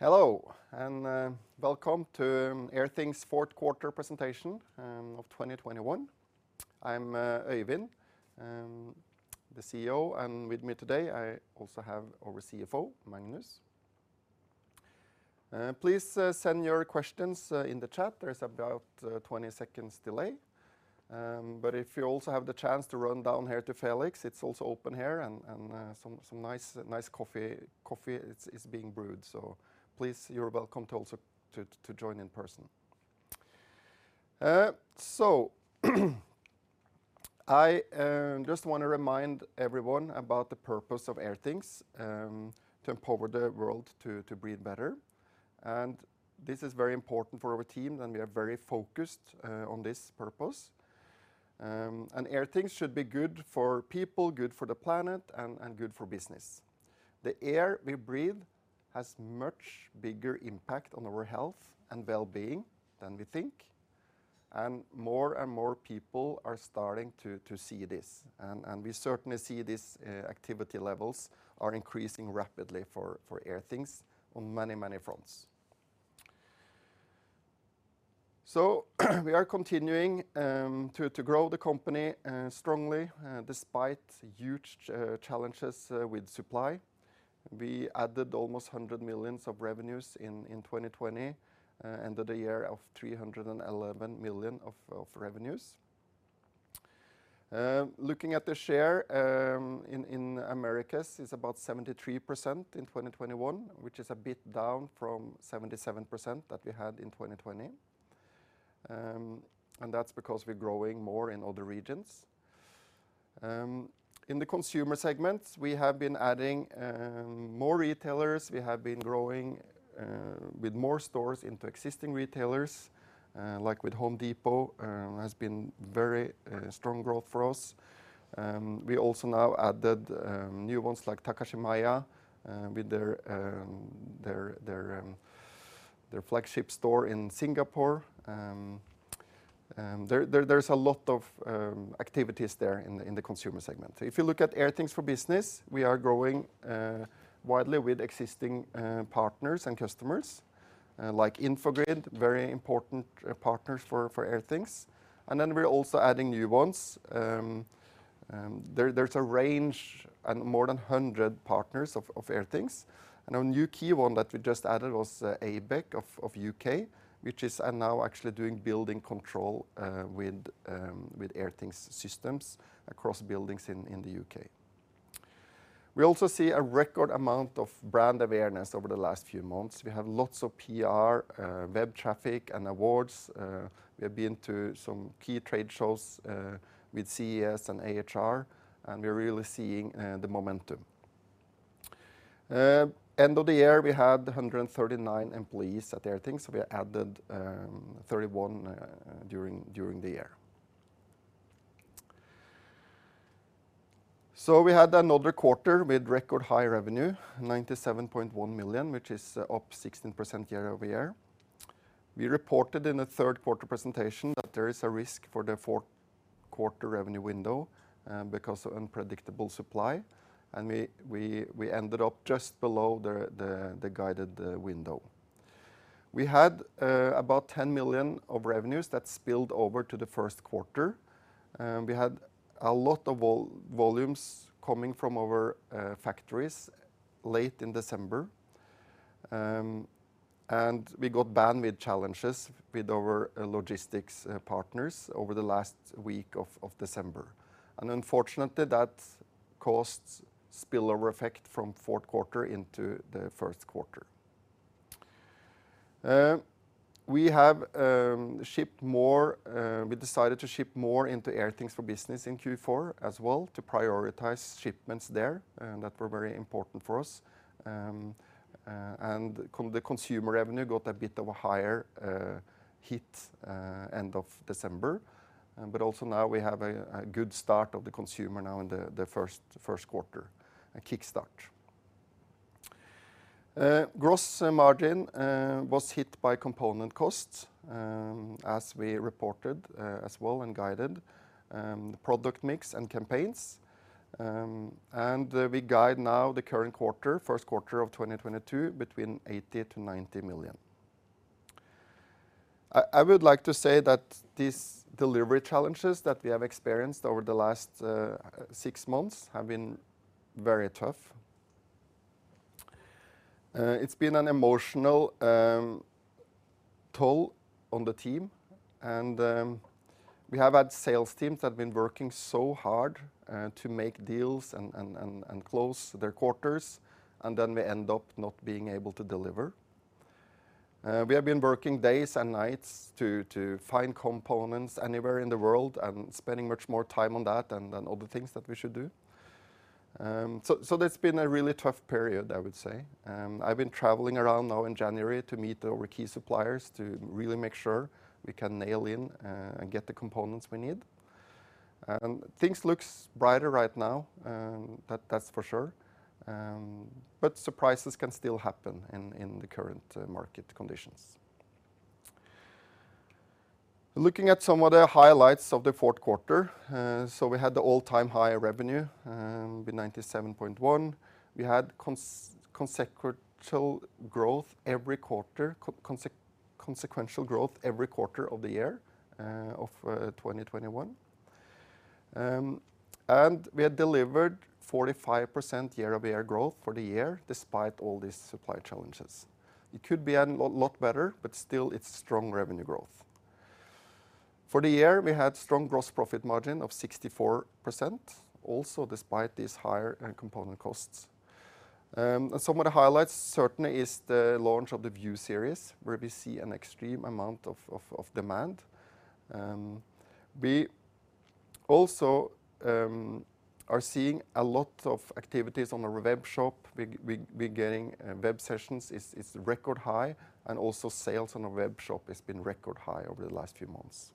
Hello, and welcome to Airthings fourth quarter presentation of 2021. I'm Øyvind, the CEO, and with me today I also have our CFO, Magnus. Please send your questions in the chat. There's about 20 seconds delay. If you also have the chance to run down here to Felix, it's also open here, and some nice coffee is being brewed. Please, you're welcome to join in person. I just wanna remind everyone about the purpose of Airthings to empower the world to breathe better. This is very important for our team, and we are very focused on this purpose. Airthings should be good for people, good for the planet, and good for business. The air we breathe has much bigger impact on our health and wellbeing than we think, and more and more people are starting to see this. We certainly see this, activity levels are increasing rapidly for Airthings on many fronts. We are continuing to grow the company strongly, despite huge challenges with supply. We added almost 100 million in revenues in 2020, ended the year with 311 million in revenues. Looking at the share in Americas is about 73% in 2021, which is a bit down from 77% that we had in 2020. That's because we're growing more in other regions. In the consumer segments, we have been adding more retailers. We have been growing with more stores into existing retailers like with Home Depot has been very strong growth for us. We also now added new ones like Takashimaya with their flagship store in Singapore. There's a lot of activities there in the consumer segment. If you look at Airthings for Business, we are growing widely with existing partners and customers like Infogrid, very important partners for Airthings. Then we're also adding new ones. There's a range and more than 100 partners of Airthings. A new key one that we just added was ABEC of U.K., which are now actually doing building control with Airthings systems across buildings in the U.K. We also see a record amount of brand awareness over the last few months. We have lots of PR, web traffic, and awards. We have been to some key trade shows, with CES and AHR, and we're really seeing the momentum. End of the year, we had 139 employees at Airthings, so we added 31 during the year. We had another quarter with record high revenue, 97.1 million, which is up 16% year-over-year. We reported in the third quarter presentation that there is a risk for the fourth quarter revenue window, because of unpredictable supply, and we ended up just below the guided window. We had about 10 million of revenues that spilled over to the first quarter. We had a lot of volumes coming from our factories late in December. We got bandwidth challenges with our logistics partners over the last week of December. Unfortunately, that caused spillover effect from fourth quarter into the first quarter. We decided to ship more into Airthings for Business in Q4 as well to prioritize shipments there that were very important for us. The consumer revenue got a bit of a higher hit end of December. We have a good start of the consumer now in the first quarter, a kick start. Gross margin was hit by component costs, as we reported, as well and guided, product mix and campaigns. We guide now the current quarter, first quarter of 2022, between 80 million-90 million. I would like to say that these delivery challenges that we have experienced over the last six months have been very tough. It's been an emotional toll on the team, and we have had sales teams that have been working so hard to make deals and close their quarters, and then we end up not being able to deliver. We have been working days and nights to find components anywhere in the world and spending much more time on that than other things that we should do. That's been a really tough period, I would say. I've been traveling around now in January to meet with our key suppliers to really make sure we can nail down and get the components we need. Things look brighter right now, that's for sure. But surprises can still happen in the current market conditions. Looking at some of the highlights of the fourth quarter. We had the all-time high revenue be 97.1. We had consecutive growth every quarter, consequential growth every quarter of the year of 2021. We had delivered 45% year-over-year growth for the year despite all these supply challenges. It could be a lot better, but still it's strong revenue growth. For the year, we had strong gross profit margin of 64%, also despite these higher component costs. Some of the highlights certainly is the launch of the View series, where we see an extreme amount of demand. We also are seeing a lot of activities on our web shop. We're getting web sessions is record high, and also sales on our web shop has been record high over the last few months.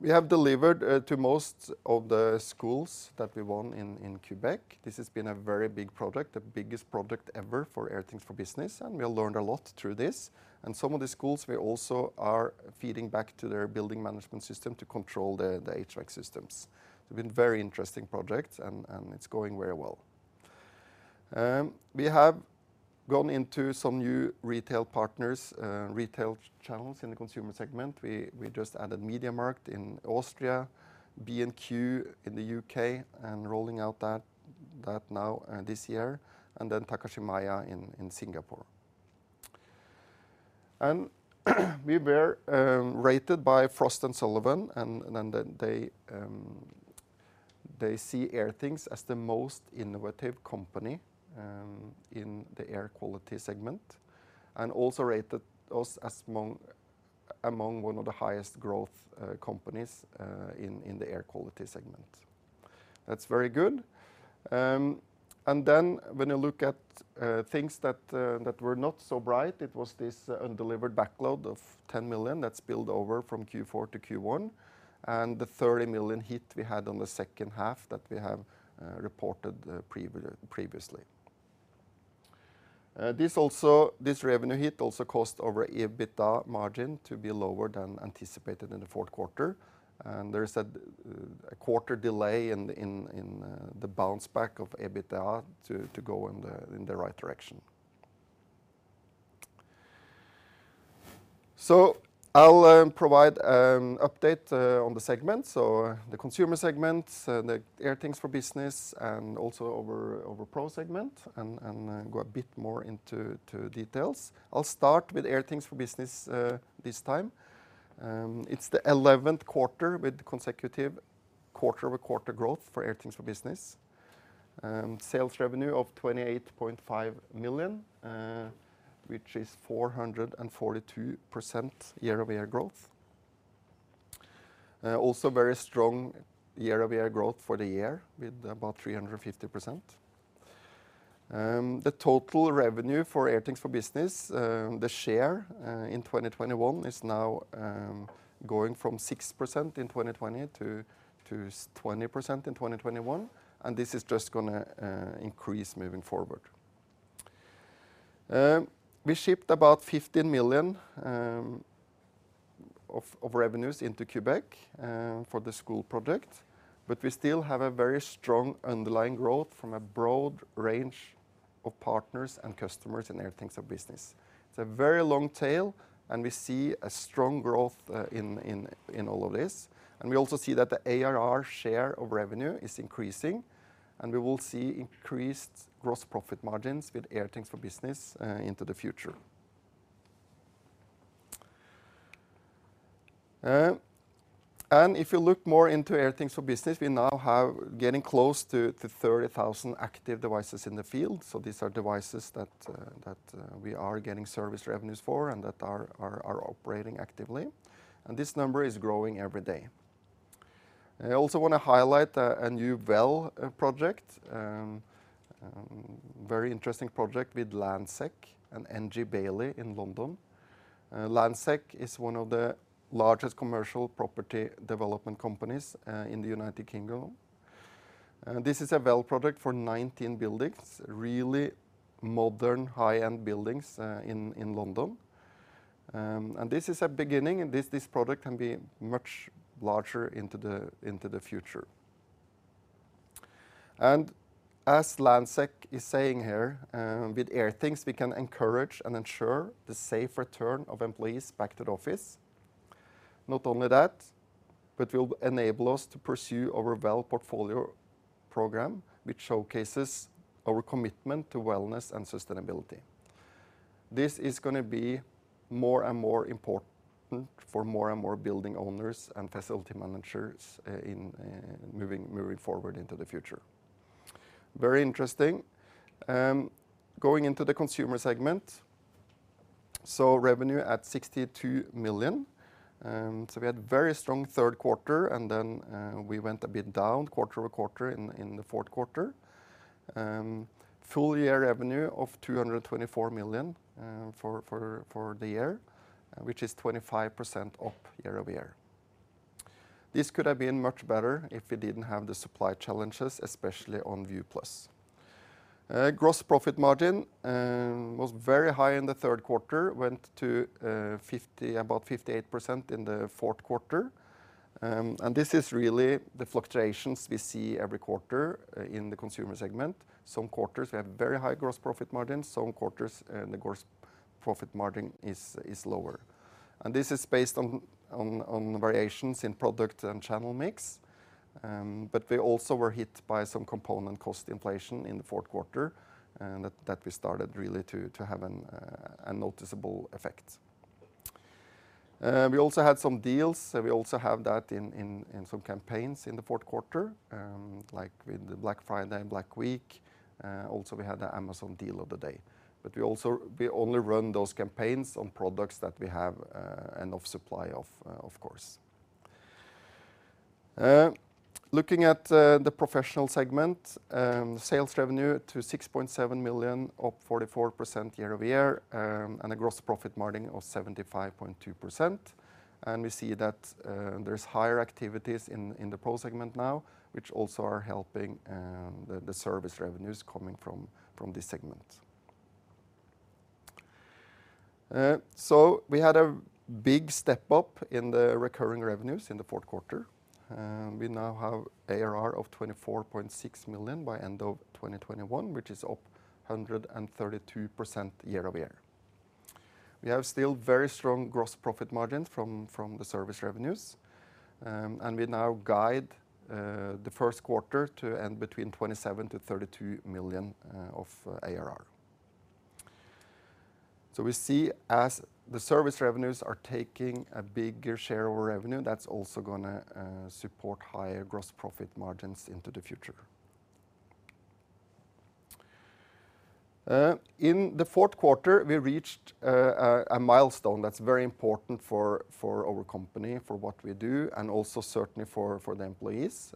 We have delivered to most of the schools that we won in Quebec. This has been a very big project, the biggest project ever for Airthings for Business, and we have learned a lot through this. Some of the schools we also are feeding back to their building management system to control the HVAC systems. It's been a very interesting project and it's going very well. We have gone into some new retail partners, retail channels in the consumer segment. We just added MediaMarkt in Austria, B&Q in the U.K., and rolling out that now this year, and then Takashimaya in Singapore. We were rated by Frost & Sullivan, and then they see Airthings as the most innovative company in the air quality segment, and also rated us as among one of the highest growth companies in the air quality segment. That's very good. When you look at things that were not so bright, it was this undelivered backlog of 10 million that spilled over from Q4 to Q1, and the 30 million hit we had on the second half that we have reported previously. This revenue hit also caused our EBITDA margin to be lower than anticipated in the fourth quarter, and there is a quarter delay in the bounce back of EBITDA to go in the right direction. I'll provide an update on the segment. The consumer segment, the Airthings for Business, and also our Pro segment and go a bit more into details. I'll start with Airthings for Business this time. It's the 11th quarter with consecutive quarter-over-quarter growth for Airthings for Business. Sales revenue of 28.5 million, which is 442% year-over-year growth. Also very strong year-over-year growth for the year with about 350%. The total revenue for Airthings for Business, the share, in 2021 is now going from 6% in 2020 to twenty percent in 2021, and this is just gonna increase moving forward. We shipped about 15 million of revenues into Quebec for the school project, but we still have a very strong underlying growth from a broad range of partners and customers in Airthings for Business. It's a very long tail, and we see a strong growth in all of this. We also see that the ARR share of revenue is increasing, and we will see increased gross profit margins with Airthings for Business into the future. If you look more into Airthings for Business, we now have getting close to 30,000 active devices in the field. These are devices that we are getting service revenues for and that are operating actively. This number is growing every day. I also wanna highlight a new WELL project. Very interesting project with Landsec and NG Bailey in London. Landsec is one of the largest commercial property development companies in the United Kingdom. This is a WELL project for 19 buildings, really modern high-end buildings in London. This is a beginning, this project can be much larger into the future. As Landsec is saying here, with Airthings, we can encourage and ensure the safe return of employees back to the office. Not only that, but will enable us to pursue our WELL Portfolio program, which showcases our commitment to wellness and sustainability. This is gonna be more and more important for more and more building owners and facility managers in moving forward into the future. Very interesting. Going into the consumer segment. Revenue at 62 million. We had very strong third quarter, and then we went a bit down quarter-over-quarter in the fourth quarter. Full year revenue of 224 million for the year, which is 25% up year-over-year. This could have been much better if we didn't have the supply challenges, especially on View Plus. Gross profit margin was very high in the third quarter, went to about 58% in the fourth quarter. This is really the fluctuations we see every quarter in the consumer segment. Some quarters we have very high gross profit margins, some quarters the gross profit margin is lower. This is based on variations in product and channel mix. We also were hit by some component cost inflation in the fourth quarter, and that we started really to have a noticeable effect. We also had some deals, so we also have that in some campaigns in the fourth quarter, like with the Black Friday and Black Week. We also had the Amazon Deal of the Day. We only run those campaigns on products that we have enough supply of course. Looking at the professional segment, sales revenue to 6.7 million, up 44% year-over-year, and a gross profit margin of 75.2%. We see that there's higher activities in the Pro segment now, which also are helping the service revenues coming from this segment. We had a big step up in the recurring revenues in the fourth quarter. We now have ARR of 24.6 million by end of 2021, which is up 132% year-over-year. We have still very strong gross profit margin from the service revenues. We now guide the first quarter to end between 27 million-32 million of ARR. We see as the service revenues are taking a bigger share of our revenue, that's also gonna support higher gross profit margins into the future. In the fourth quarter, we reached a milestone that's very important for our company, for what we do, and also certainly for the employees.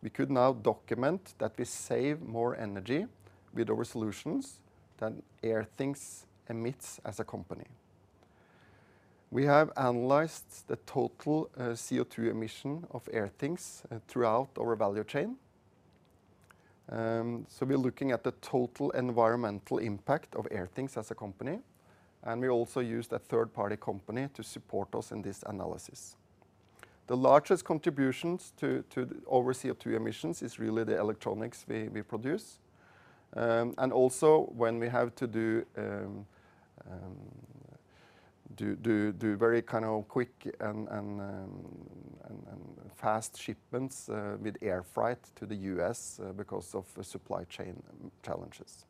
We could now document that we save more energy with our solutions than Airthings emits as a company. We have analyzed the total CO2 emission of Airthings throughout our value chain. We're looking at the total environmental impact of Airthings as a company, and we also used a third-party company to support us in this analysis. The largest contributions to our CO2 emissions is really the electronics we produce, and also when we have to do very kind of quick and fast shipments with air freight to the U.S. because of supply chain challenges.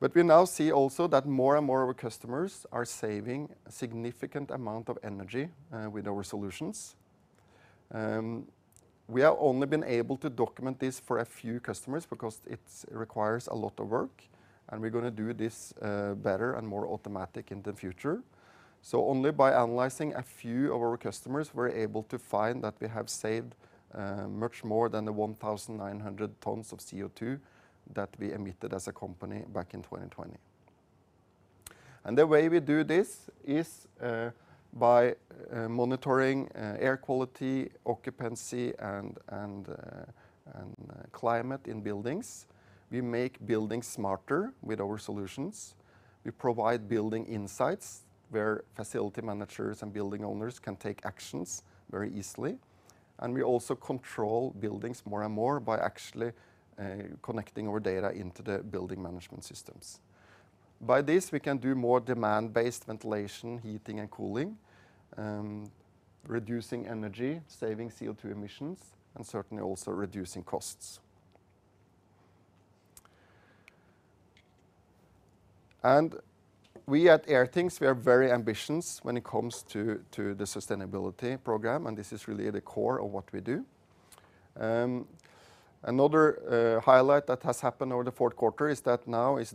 We now see also that more and more of our customers are saving a significant amount of energy with our solutions. We have only been able to document this for a few customers because it requires a lot of work, and we're gonna do this better and more automatic in the future. Only by analyzing a few of our customers, we're able to find that we have saved much more than the 1,900 tons of CO2 that we emitted as a company back in 2020. The way we do this is by monitoring air quality, occupancy, and climate in buildings. We make buildings smarter with our solutions. We provide building insights where facility managers and building owners can take actions very easily. We also control buildings more and more by actually connecting our data into the building management systems. By this, we can do more demand-based ventilation, heating, and cooling, reducing energy, saving CO2 emissions, and certainly also reducing costs. We at Airthings are very ambitious when it comes to the sustainability program, and this is really at the core of what we do. Another highlight that has happened over the fourth quarter is that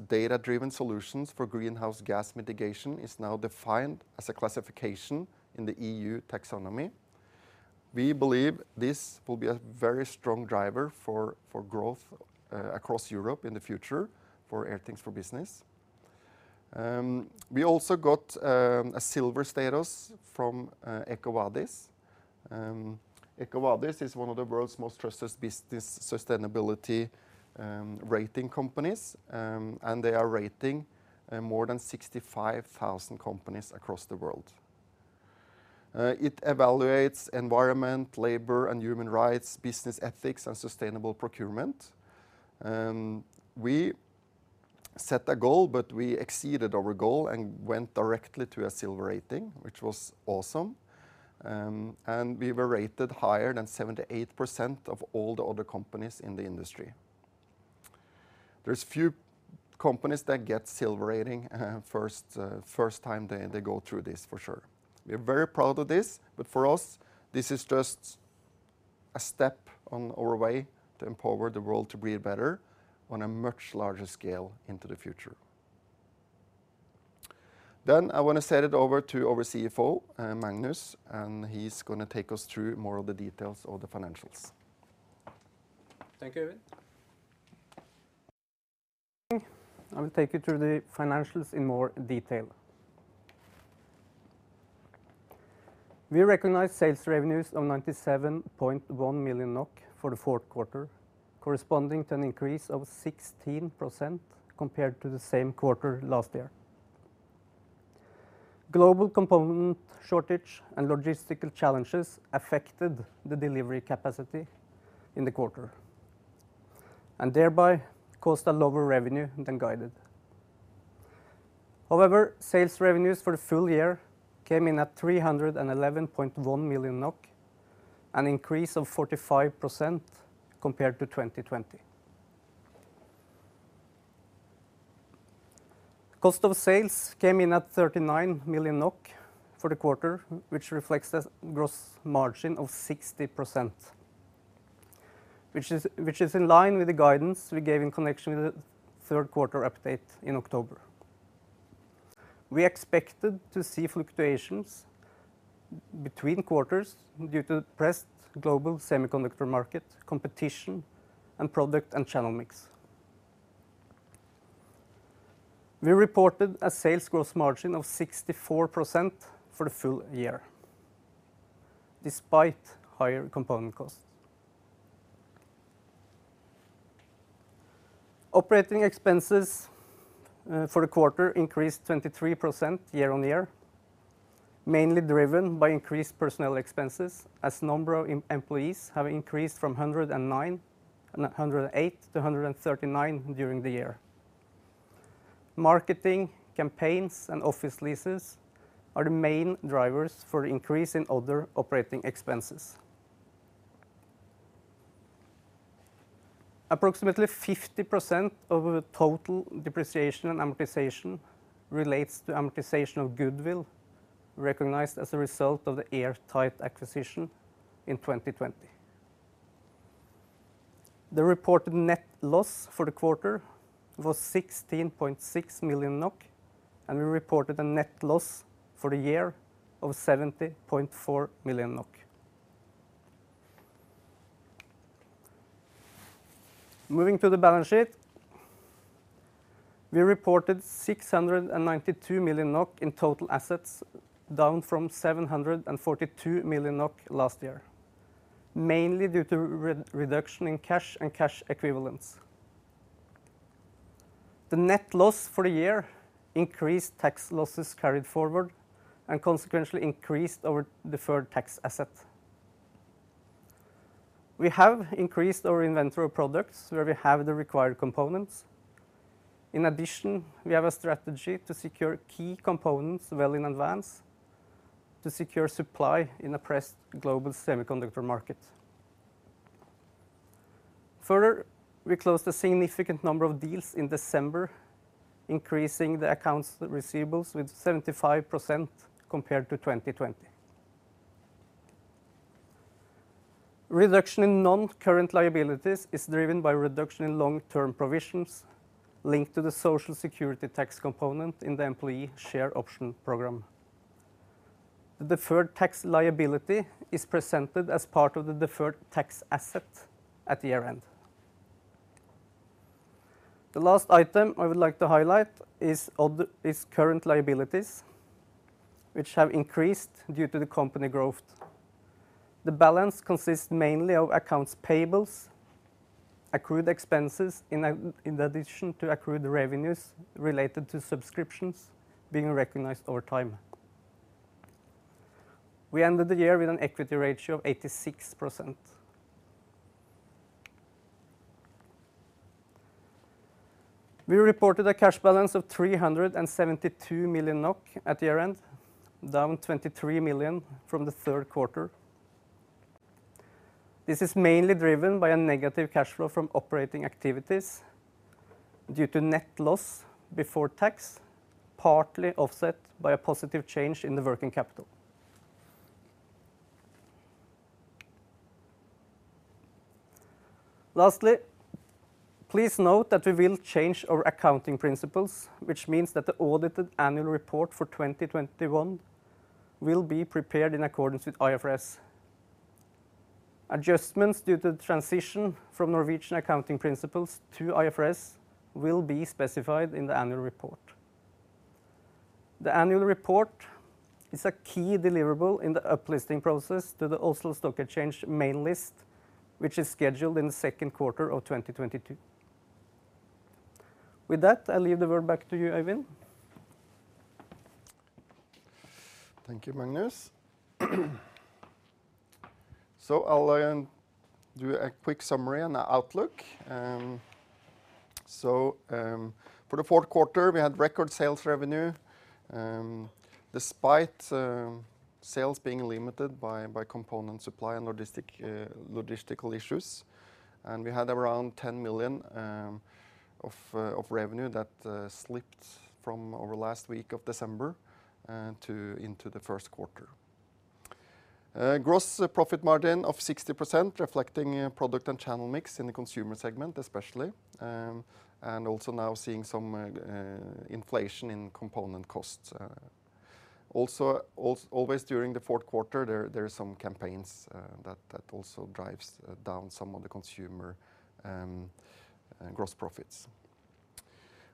data-driven solutions for greenhouse gas mitigation is now defined as a classification in the EU taxonomy. We believe this will be a very strong driver for growth across Europe in the future for Airthings for Business. We also got a Silver status from EcoVadis. EcoVadis is one of the world's most trusted business sustainability rating companies, and they are rating more than 65,000 companies across the world. It evaluates environment, labor and human rights, business ethics, and sustainable procurement. We set a goal, but we exceeded our goal and went directly to a Silver rating, which was awesome. We were rated higher than 78% of all the other companies in the industry. There's few companies that get Silver rating first time they go through this, for sure. We're very proud of this, but for us, this is just a step on our way to empower the world to breathe better on a much larger scale into the future. I wanna send it over to our CFO, Magnus, and he's gonna take us through more of the details of the financials. Thank you, Øyvind. I will take you through the financials in more detail. We recognize sales revenues of 97.1 million NOK for the fourth quarter, corresponding to an increase of 16% compared to the same quarter last year. Global component shortage and logistical challenges affected the delivery capacity in the quarter and thereby caused a lower revenue than guided. However, sales revenues for the full year came in at 311.1 million NOK, an increase of 45% compared to 2020. Cost of sales came in at 39 million NOK for the quarter, which reflects the gross margin of 60%, which is in line with the guidance we gave in connection with the third quarter update in October. We expected to see fluctuations between quarters due to pressured global semiconductor market competition and product and channel mix. We reported a sales gross margin of 64% for the full year despite higher component costs. Operating expenses for the quarter increased 23% year-on-year, mainly driven by increased personnel expenses as number of employees have increased from 108 to 139 during the year. Marketing campaigns and office leases are the main drivers for increase in other operating expenses. Approximately 50% of the total depreciation and amortization relates to amortization of goodwill recognized as a result of the Airtight acquisition in 2020. The reported net loss for the quarter was 16.6 million NOK, and we reported a net loss for the year of 70.4 million NOK. Moving to the balance sheet, we reported 692 million NOK in total assets, down from 742 million NOK last year, mainly due to reduction in cash and cash equivalents. The net loss for the year increased tax losses carried forward and consequently increased our deferred tax asset. We have increased our inventory of products where we have the required components. In addition, we have a strategy to secure key components well in advance to secure supply in a pressed global semiconductor market. Further, we closed a significant number of deals in December, increasing the accounts receivable with 75% compared to 2020. Reduction in non-current liabilities is driven by reduction in long-term provisions linked to the Social Security tax component in the employee share option program. The deferred tax liability is presented as part of the deferred tax asset at year-end. The last item I would like to highlight is current liabilities, which have increased due to the company growth. The balance consists mainly of accounts payables, accrued expenses in addition to accrued revenues related to subscriptions being recognized over time. We ended the year with an equity ratio of 86%. We reported a cash balance of 372 million NOK at year-end, down 23 million NOK from the third quarter. This is mainly driven by a negative cash flow from operating activities due to net loss before tax, partly offset by a positive change in the working capital. Lastly, please note that we will change our accounting principles, which means that the audited annual report for 2021 will be prepared in accordance with IFRS. Adjustments due to transition from Norwegian accounting principles to IFRS will be specified in the annual report. The annual report is a key deliverable in the uplisting process to the Oslo Stock Exchange main list, which is scheduled in the second quarter of 2022. With that, I leave the word back to you, Øyvind. Thank you, Magnus. I'll do a quick summary and outlook. For the fourth quarter, we had record sales revenue, despite sales being limited by component supply and logistical issues. We had around 10 million of revenue that slipped from the last week of December into the first quarter. Gross profit margin of 60% reflecting product and channel mix in the consumer segment especially, and also now seeing some inflation in component costs. Always during the fourth quarter, there are some campaigns that also drives down some of the consumer gross profits.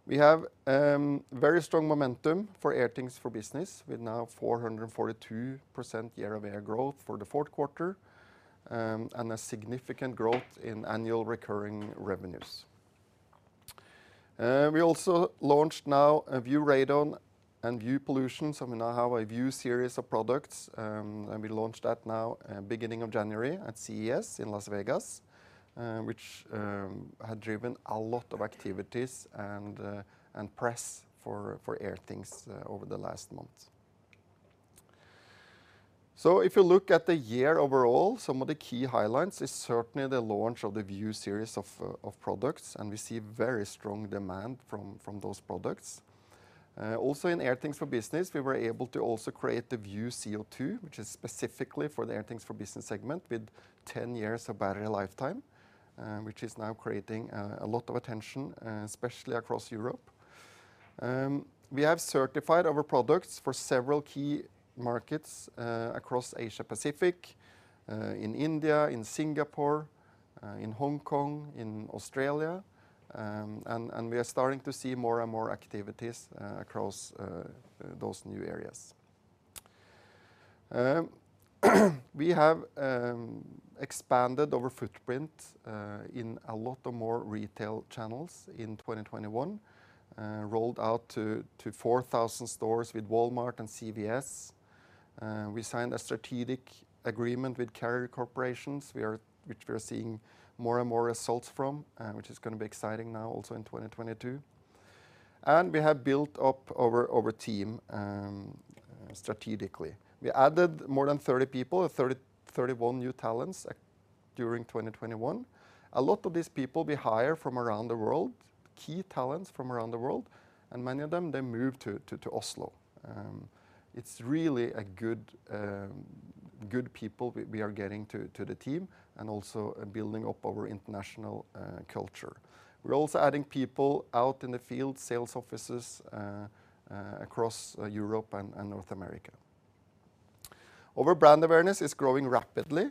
We have very strong momentum for Airthings for Business, with now 442% year-over-year growth for the fourth quarter, and a significant growth in annual recurring revenues. We also launched now a View Radon and View Pollution, so we now have a View series of products. We launched that now in beginning of January at CES in Las Vegas, which had driven a lot of activities and press for Airthings over the last month. If you look at the year overall, some of the key highlights is certainly the launch of the View series of products, and we see very strong demand from those products. Also in Airthings for Business, we were able to also create the View CO2, which is specifically for the Airthings for Business segment with 10 years of battery lifetime, which is now creating a lot of attention, especially across Europe. We have certified our products for several key markets across Asia Pacific, in India, in Singapore, in Hong Kong, in Australia, and we are starting to see more and more activities across those new areas. We have expanded our footprint in a lot more retail channels in 2021, rolled out to 4,000 stores with Walmart and CVS. We signed a strategic agreement with Carrier Global Corporation, which we are seeing more and more results from, which is gonna be exciting now also in 2022. We have built up our team strategically. We added more than 31 new talents during 2021. A lot of these people we hire from around the world, key talents from around the world, and many of them they move to Oslo. It's really good people we are getting to the team and also building up our international culture. We're also adding people out in the field sales offices across Europe and North America. Our brand awareness is growing rapidly,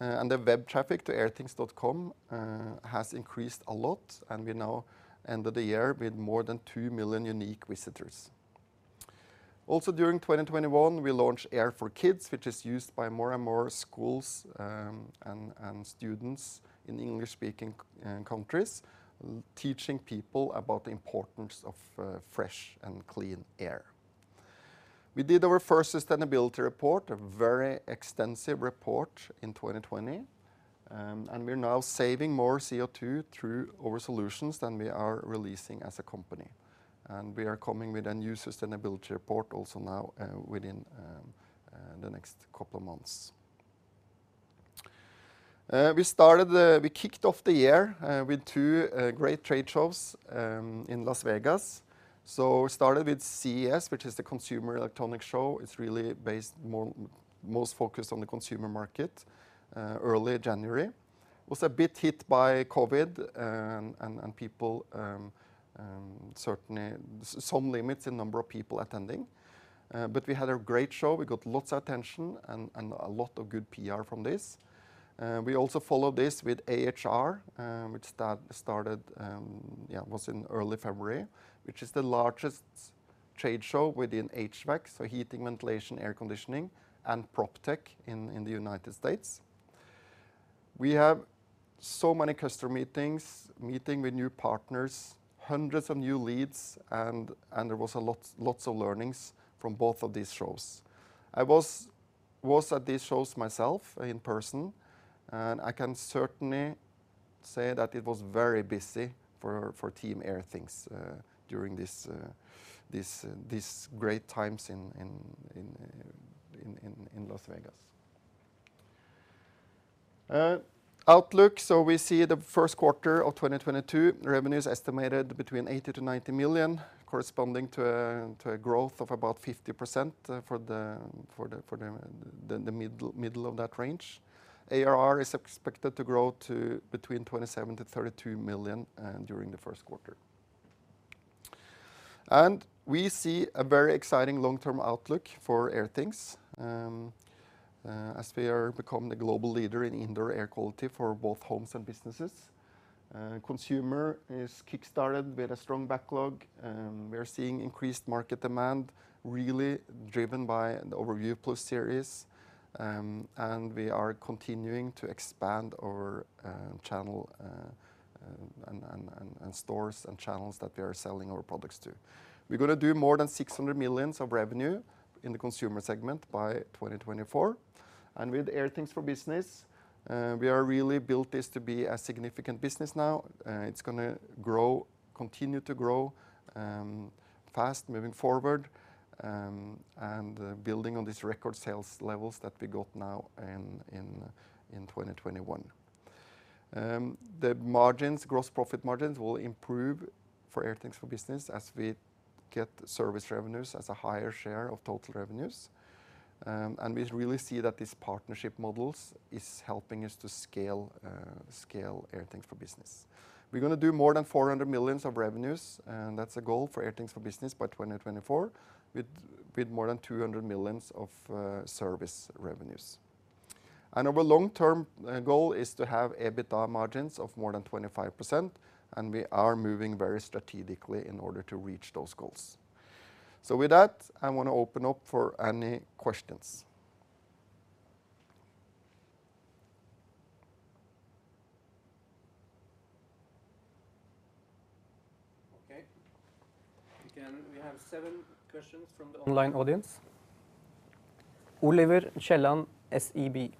and the web traffic to airthings.com has increased a lot, and we now ended the year with more than 2 million unique visitors. Also during 2021, we launched Air for Kids, which is used by more and more schools and students in English-speaking countries, teaching people about the importance of fresh and clean air. We did our first sustainability report, a very extensive report in 2020, and we're now saving more CO2 through our solutions than we are releasing as a company. We are coming with a new sustainability report also now within the next couple of months. We kicked off the year with two great trade shows in Las Vegas. We started with CES, which is the Consumer Electronics Show. It's really most focused on the consumer market early January. was a bit hit by COVID, and people certainly some limits in number of people attending. We had a great show. We got lots of attention and a lot of good PR from this. We also followed this with AHR, which was in early February, which is the largest trade show within HVAC, so heating, ventilation, air conditioning, and PropTech in the United States. We have so many customer meetings, meeting with new partners, hundreds of new leads, and there was lots of learnings from both of these shows. I was at these shows myself in person, and I can certainly say that it was very busy for Team Airthings during this great times in Las Vegas. Outlook. We see the first quarter of 2022 revenues estimated between 80 million-90 million, corresponding to a growth of about 50%, for the middle of that range. ARR is expected to grow to between 27 million-32 million during the first quarter. We see a very exciting long-term outlook for Airthings as we are become the global leader in indoor air quality for both homes and businesses. Consumer is kickstarted. We had a strong backlog, and we are seeing increased market demand really driven by our View Plus series. We are continuing to expand our channel and stores and channels that we are selling our products to. We're gonna do more than 600 million of revenue in the consumer segment by 2024. With Airthings for Business, we have really built this to be a significant business now. It's gonna grow, continue to grow, fast moving forward, and building on these record sales levels that we got now in 2021. The margins, gross profit margins will improve for Airthings for Business as we get service revenues as a higher share of total revenues. We really see that these partnership models is helping us to scale Airthings for Business. We're going to do more than 400 million of revenues, and that's a goal for Airthings for Business by 2024, with more than 200 million of service revenues. Our long-term goal is to have EBITDA margins of more than 25%, and we are moving very strategically in order to reach those goals. With that, I want to open up for any questions. We have seven questions from the online audience. Oliver Kjelland, SEB: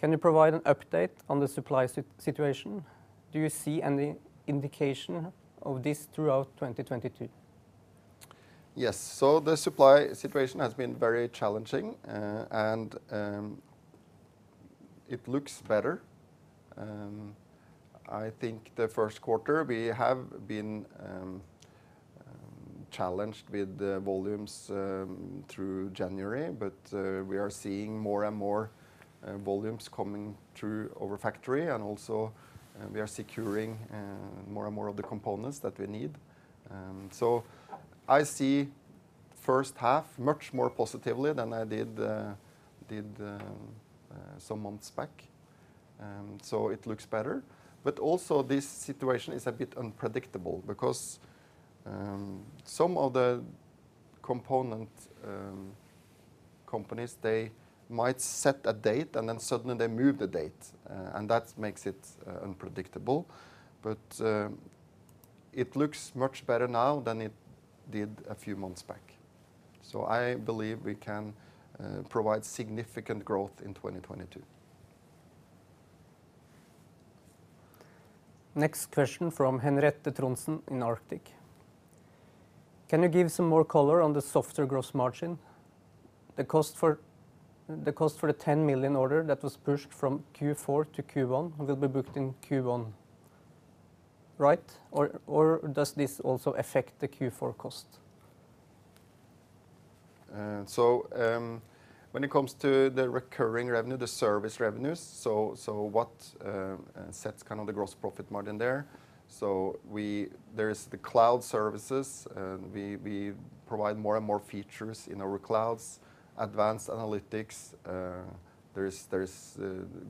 Can you provide an update on the supply situation? Do you see any indication of this throughout 2022? Yes. The supply situation has been very challenging, and it looks better. I think the first quarter, we have been challenged with the volumes through January, but we are seeing more and more volumes coming through our factory, and also, we are securing more and more of the components that we need. I see first half much more positively than I did some months back. It looks better. This situation is a bit unpredictable because some of the component companies, they might set a date and then suddenly they move the date. That makes it unpredictable. It looks much better now than it did a few months back. I believe we can provide significant growth in 2022. Next question from Henriette Trondsen in Arctic Securities: Can you give some more color on the softer gross margin? The cost for the 10 million order that was pushed from Q4 to Q1 will be booked in Q1, right? Or does this also affect the Q4 cost? When it comes to the recurring revenue, the service revenues, what sets kind of the gross profit margin there? There is the cloud services, and we provide more and more features in our clouds, advanced analytics. There is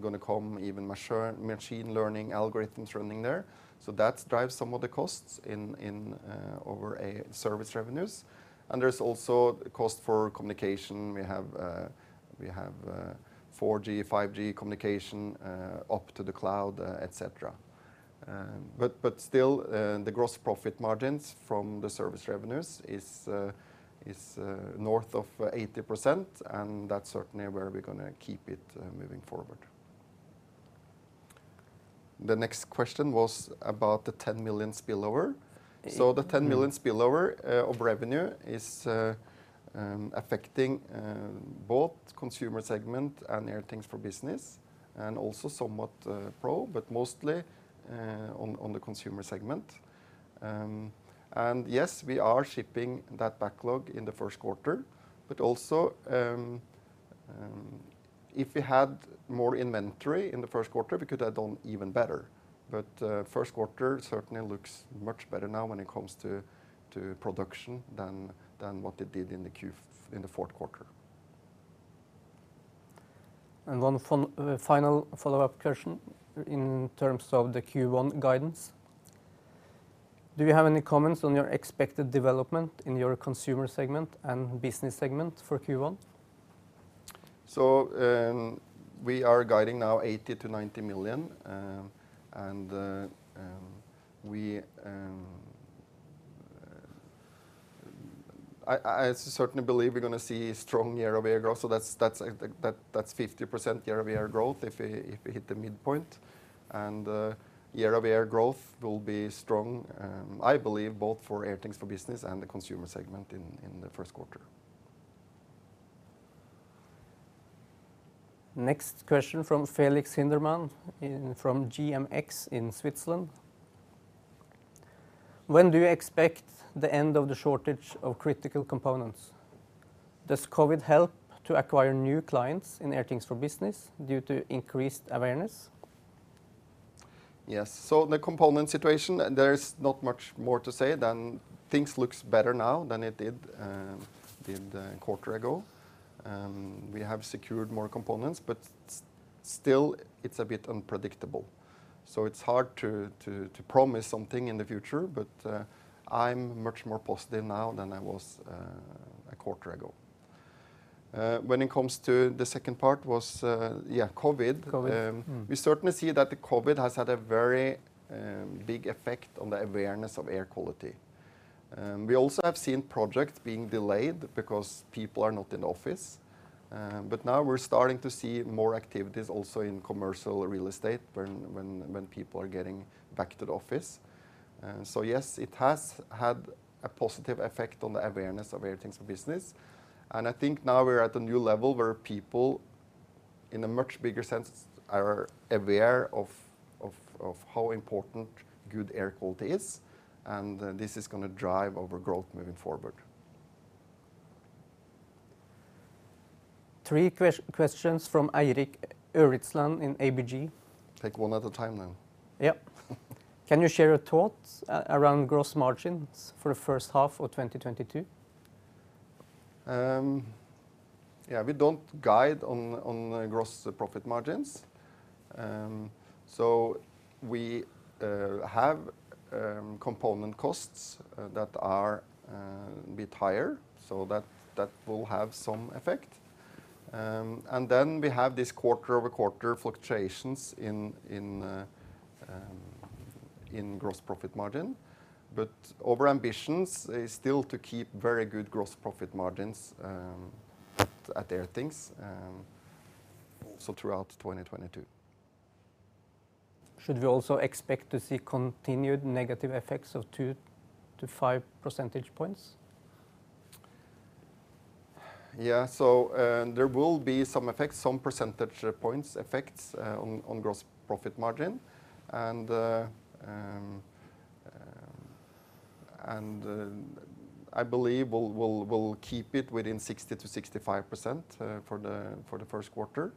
going to come even machine learning algorithms running there. That drives some of the costs in our service revenues. There's also cost for communication. We have 4G, 5G communication up to the cloud, et cetera. But still, the gross profit margins from the service revenues is north of 80%, and that's certainly where we're going to keep it moving forward. The next question was about the 10 million spillover. Mm-hmm. The 10 million spillover of revenue is affecting both consumer segment and Airthings for Business, and also somewhat Pro, but mostly on the consumer segment. Yes, we are shipping that backlog in the first quarter. If we had more inventory in the first quarter, we could have done even better. First quarter certainly looks much better now when it comes to production than what it did in the fourth quarter. One final follow-up question in terms of the Q1 guidance. Do you have any comments on your expected development in your consumer segment and business segment for Q1? We are guiding now 80 million-90 million. I certainly believe we're going to see strong year-over-year growth, so that's 50% year-over-year growth if we hit the midpoint. Year-over-year growth will be strong, I believe both for Airthings for Business and the consumer segment in the first quarter. Next question from Felix Hindermann from GMX in Switzerland: When do you expect the end of the shortage of critical components? Does COVID help to acquire new clients in Airthings for Business due to increased awareness? Yes. The component situation, there is not much more to say than things look better now than it did a quarter ago. We have secured more components, but still it's a bit unpredictable. It's hard to promise something in the future, but I'm much more positive now than I was a quarter ago. When it comes to the second part was, yeah, COVID. COVID. We certainly see that the COVID has had a very big effect on the awareness of air quality. We also have seen projects being delayed because people are not in office. But now we're starting to see more activities also in commercial real estate when people are getting back to the office. Yes, it has had a positive effect on the awareness of Airthings for Business. I think now we're at a new level where people in a much bigger sense are aware of how important good air quality is, and this is gonna drive our growth moving forward. Three questions from Eirik Ørland in ABG. Take one at a time then. Yep. Can you share your thoughts around gross margins for the first half of 2022? Yeah, we don't guide on gross profit margins. We have component costs that are a bit higher, so that will have some effect. We have this quarter-over-quarter fluctuations in gross profit margin. Our ambitions is still to keep very good gross profit margins at Airthings so throughout 2022. Should we also expect to see continued negative effects of 2-5 percentage points? There will be some effects, some percentage points effects on gross profit margin. I believe we'll keep it within 60%-65% for the first quarter.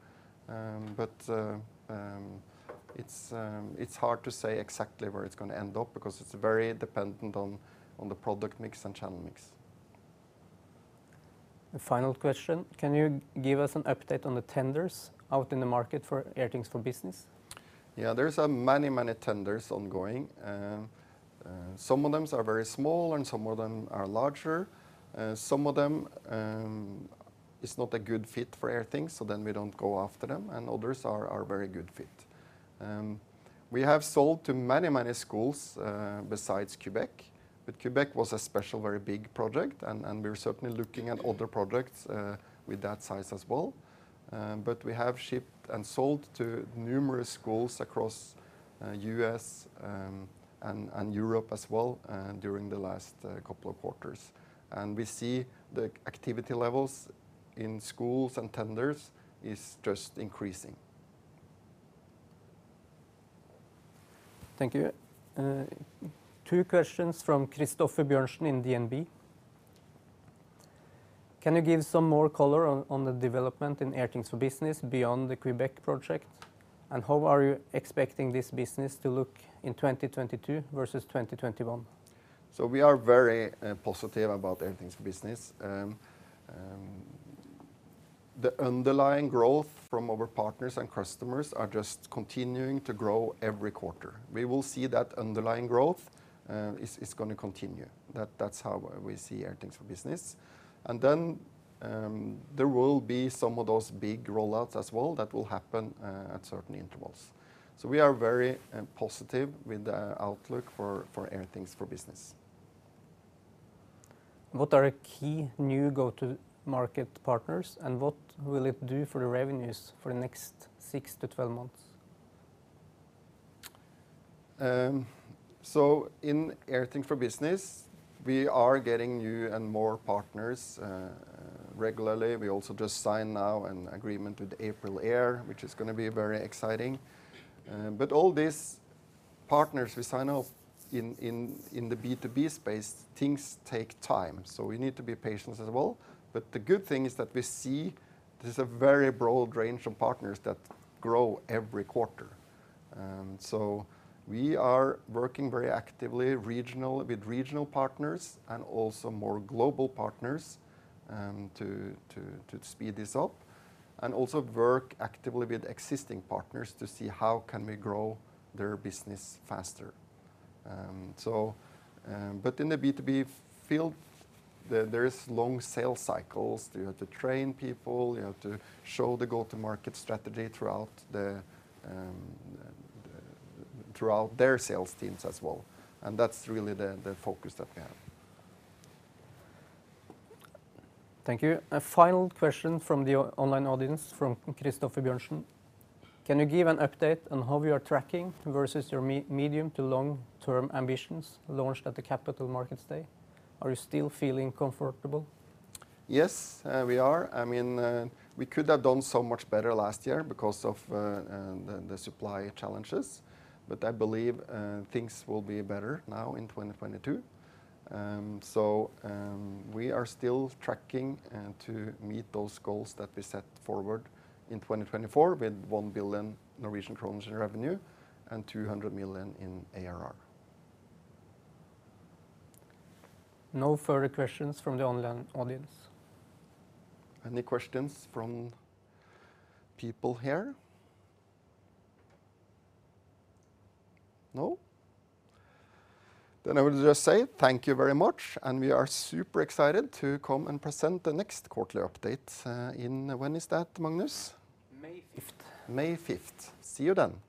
It's hard to say exactly where it's going to end up because it's very dependent on the product mix and channel mix. The final question: Can you give us an update on the tenders out in the market for Airthings for Business? Yeah. There's many tenders ongoing. Some of them are very small and some of them are larger. Some of them is not a good fit for Airthings, so then we don't go after them, and others are a very good fit. We have sold to many schools besides Quebec, but Quebec was a special very big project and we're certainly looking at other projects with that size as well. We have shipped and sold to numerous schools across U.S. and Europe as well during the last couple of quarters. We see the activity levels in schools and tenders is just increasing. Thank you. Two questions from Christoffer Wang Bjørnsen in DNB. Can you give some more color on the development in Airthings for Business beyond the Quebec project? How are you expecting this business to look in 2022 versus 2021? We are very positive about Airthings for Business. The underlying growth from our partners and customers are just continuing to grow every quarter. We will see that underlying growth is gonna continue. That's how we see Airthings for Business. There will be some of those big rollouts as well that will happen at certain intervals. We are very positive with the outlook for Airthings for Business. What are key new go-to market partners, and what will it do for the revenues for the next 6-12 months? In Airthings for Business, we are getting new and more partners regularly. We also just signed now an agreement with AprilAire, which is gonna be very exciting. All these partners we sign up in the B2B space, things take time, so we need to be patient as well. The good thing is that we see there's a very broad range of partners that grow every quarter. We are working very actively with regional partners and also more global partners to speed this up, and also work actively with existing partners to see how can we grow their business faster. In the B2B field, there is long sales cycles. You have to train people. You have to show the go-to-market strategy throughout their sales teams as well, and that's really the focus that we have. Thank you. A final question from the online audience from Christoffer Wang Bjørnsen. Can you give an update on how we are tracking versus your medium to long-term ambitions launched at the Capital Markets Day? Are you still feeling comfortable? Yes, we are. I mean, we could have done so much better last year because of the supply challenges. I believe things will be better now in 2022. We are still tracking to meet those goals that we set forward in 2024 with 1 billion Norwegian kroner in revenue and 200 million in ARR. No further questions from the online audience. Any questions from people here? No? I will just say thank you very much, and we are super excited to come and present the next quarterly update. When is that, Magnus? May 5th. May 5th. See you then.